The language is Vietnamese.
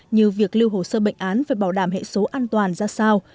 như việc lưu hồ sơ bệnh án phải bảo đảm hệ số an toàn ra sao